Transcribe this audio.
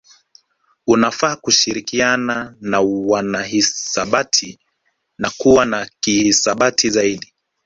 Unafaa kushirikiana na wanahisabati na kuwa wa kihisabati zaidi